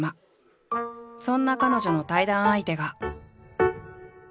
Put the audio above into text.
そんな彼女の対談相手が。